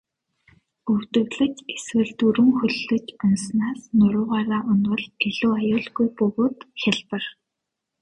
Өвдөглөж эсвэл дөрвөн хөллөж унаснаас нуруугаараа унавал илүү аюулгүй бөгөөд хялбар.